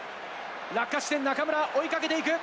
落下地点、中村、追いかけていく。